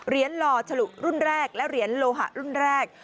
หล่อฉลุรุ่นแรกและเหรียญโลหะรุ่นแรก